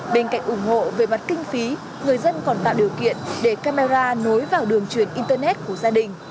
bên cạnh ủng hộ về mặt kinh phí người dân còn tạo điều kiện để camera nối vào đường truyền internet của gia đình